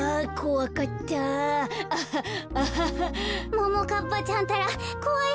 ももかっぱちゃんったらこわい